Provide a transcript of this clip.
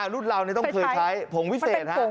รุ่นราวนี้ต้องเคยใช้ผงวิเศษ